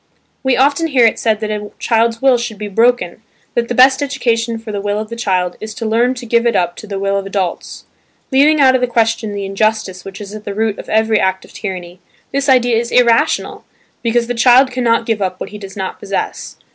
We often hear it said that a child's will should be "broken" that the best education for the will of the child is to learn to give it up to the will of adults. Leaving out of the question the injustice which is at the root of every act of tyranny, this idea is irrational because the child cannot give up what he does not possess.